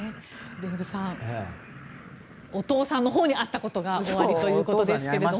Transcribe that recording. デーブさんお父さんのほうに会ったことがおありということですが。